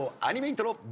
アニメイントロ。